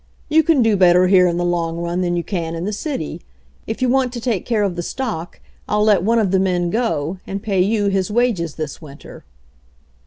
"You can do better here in the long run than you can in the city. If you want to t^ke care of the stock I'll let one of the men go anct^ay you his wages this winter."